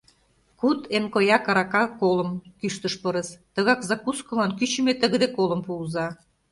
— Куд эн коя карака колым, — кӱштыш пырыс, — тыгак закускылан кӱчымӧ тыгыде колым пуыза.